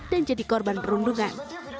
dan jadi korban perundungan